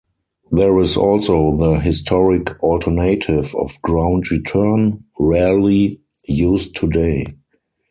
There is also the historic alternative of ground return, rarely used today.